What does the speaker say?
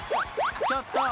ちょっと］